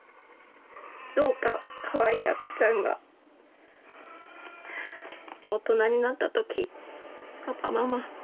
どうかかわいい赤ちゃんが大人になった時パパママ